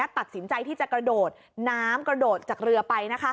ตัดสินใจที่จะกระโดดน้ำกระโดดจากเรือไป